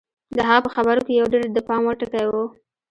د هغه په خبرو کې یو ډېر د پام وړ ټکی و